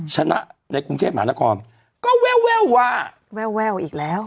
ชนะในกรุงเทพมหานครก็แววว่าแววอีกแล้ว